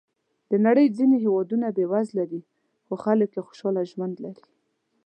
د نړۍ ځینې هېوادونه بېوزله دي، خو خلک یې خوشحاله ژوند لري.